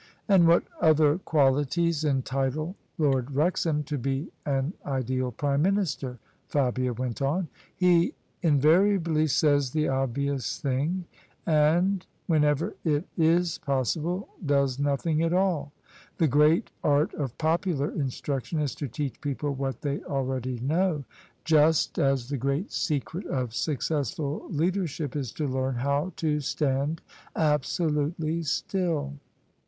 " And what other qualities entitle Lord Wrexham to be an ideal Prime Minister? " Fabia went on. " He invariably says the obvious thing: and — ^whenever it is possible — does nothing at all. The great art of popular instruction is to teach people what they already know: just as the great secret of successful leadership is to learn how to stand absolutely still."